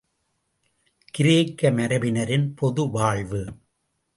கிரேக்க மரபினரின் பொது வாழ்வு...